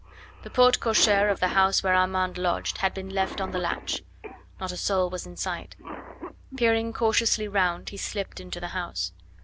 The porte cochere of the house where Armand lodged had been left on the latch; not a soul was in sight. Peering cautiously round, he slipped into the house.